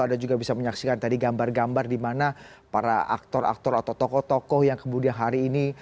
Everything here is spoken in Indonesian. anda juga bisa menyaksikan tadi gambar gambar di mana para aktor aktor atau tokoh tokoh yang kemudian hari ini